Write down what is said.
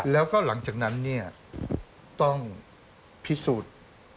แล้วก็หลังจากนั้นเนี่ยต้องพิสูจน์